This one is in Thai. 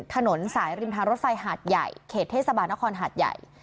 ถนนสายริมทางรถไฟหาดใหญ่เขตเทศบาลนครหาดใหญ่